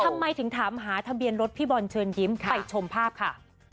ทำไมถึงถามหาทะเบียนรถพี่บอลเชิญยิ้มไปชมภาพค่ะ